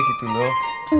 mas pur baik banget deh